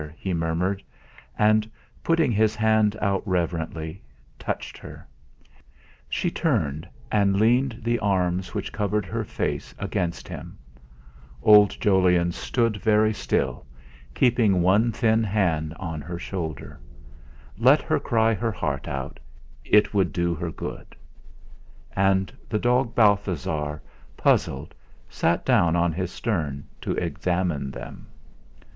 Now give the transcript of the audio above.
he murmured, and putting his hand out reverently, touched her. She turned, and leaned the arms which covered her face against him. Old Jolyon stood very still, keeping one thin hand on her shoulder. Let her cry her heart out it would do her good. And the dog Balthasar, puzzled, sat down on his stern to examine them.